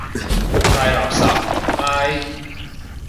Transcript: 太垃圾，唉。